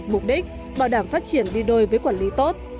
mục đích bảo đảm phát triển đi đôi với quản lý tốt